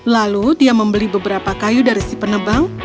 lalu dia membeli beberapa kayu dari si penebang